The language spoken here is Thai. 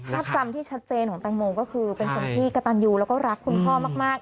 ภาพจำที่ชัดเจนของแตงโมก็คือเป็นคนที่กระตันยูแล้วก็รักคุณพ่อมาก